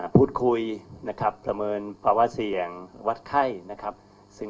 พูดคุยประเมินภาวะเสี่ยงวัดไข้